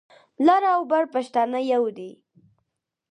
لر او بر پښتانه يو دي.